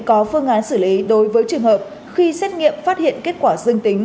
có phương án xử lý đối với trường hợp khi xét nghiệm phát hiện kết quả dương tính